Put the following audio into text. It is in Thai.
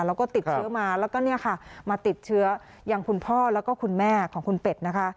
แล้วก็ติดเชื้อมาแล้วก็เนี่ยค่ะมาติดเชื้ออย่างคุณพ่อแล้วก็คุณแม่ของคุณเป็ดนะคะ